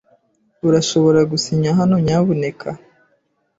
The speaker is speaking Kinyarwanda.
Urashobora gusinya hano, nyamuneka?